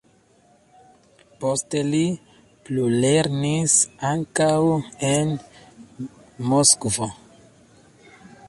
Poste li plulernis ankaŭ en Moskvo.